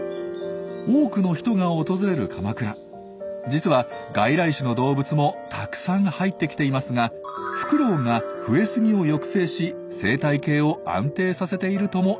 実は外来種の動物もたくさん入ってきていますがフクロウが増えすぎを抑制し生態系を安定させているとも言えるんですよ。